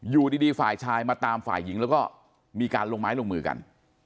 อยู่ดีฝ่ายชายมาตามฝ่ายหญิงแล้วก็มีการลงไม้ลงมือกัน